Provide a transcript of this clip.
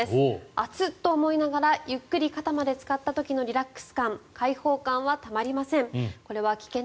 熱っと思いながらゆっくり肩までつかった時のリラックス感開放感はたまりません